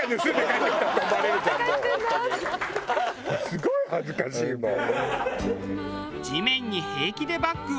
すごい恥ずかしいもう。